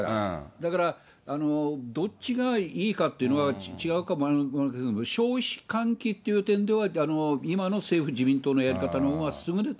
だから、どっちがいいかっていうのは違うかも分かりませんけれども、消費喚起という点では、今の政府・自民党のやり方のほうが優れて